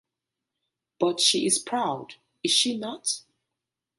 But she is proud, is she not?